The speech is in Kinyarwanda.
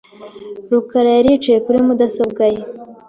rukara yari yicaye kuri mudasobwa ye .